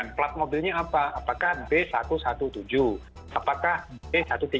plat mobilnya apa apakah b satu ratus tujuh belas apakah b seribu tiga ratus lima puluh satu